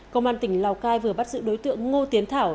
công an tỉnh lào cai vừa bắt giữ đối tượng ngô tiến thảo